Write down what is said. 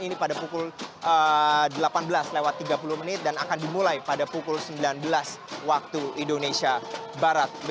ini sudah meramaikan pintu masuk begitu dengan atribut berwarna biru muda yang memang seperti yang anda bisa saksikan di layar kaca anda